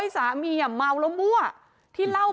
พระย่าค่ะนางทองพวยบอกว่า